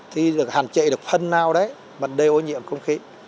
thì được hạn chế được phân nào đấy vấn đề ô nhiễm không khí